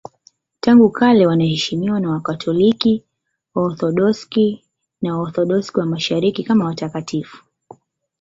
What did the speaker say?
Tangu kale wanaheshimiwa na Wakatoliki, Waorthodoksi na Waorthodoksi wa Mashariki kama watakatifu.